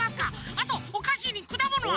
あとおかしにくだものは。